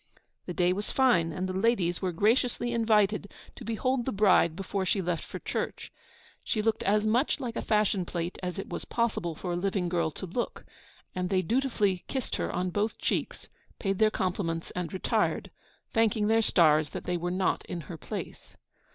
The day was fine, and the ladies were graciously invited to behold the bride before she left for church. She looked as much like a fashion plate as it was possible for a living girl to look; and they dutifully kissed her on both cheeks, paid their compliments and retired, thanking their stars that they were not in her place.